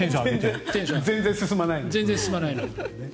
全然進まないのに。